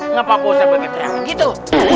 kenapa gua usah pakai teriak gitu